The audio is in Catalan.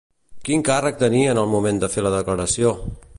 Quin càrrec tenia en el moment de fer la declaració?